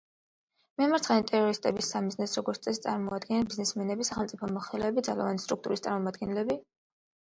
მემარცხენე ტერორისტების სამიზნეს, როგორც წესი, წარმოადგენენ ბიზნესმენები, სახელმწიფო მოხელეები, ძალოვანი სტრუქტურების წარმომადგენლები.